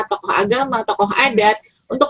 tokoh agama tokoh adat untuk